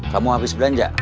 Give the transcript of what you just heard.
kamu habis belanja